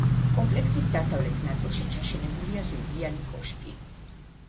კომპლექსის დასავლეთ ნაწილში ჩაშენებულია ზურგიანი კოშკი.